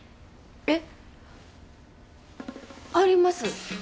えっあります。